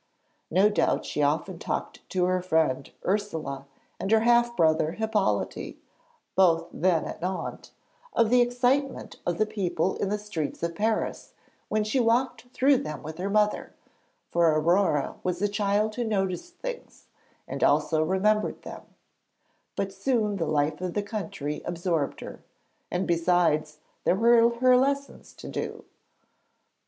No doubt she often talked to her friend Ursule and her half brother Hippolyte, both then at Nohant, of the excitement of the people in the streets of Paris when she walked through them with her mother, for Aurore was a child who noticed things and also remembered them; but soon the life of the country absorbed her, and besides, there were her lessons to do.